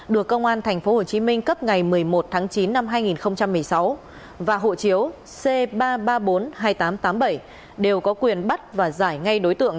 được công an tp hcm cấp ngày một mươi một tháng chín năm hai nghìn một mươi sáu và hộ chiếu c ba trăm ba mươi bốn hai nghìn tám trăm tám mươi bảy đều có quyền bắt và giải ngay đối tượng